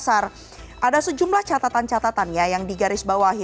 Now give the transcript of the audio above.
ada sejumlah catatan catatan ya yang digarisbawahi